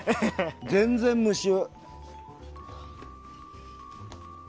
全然、無臭。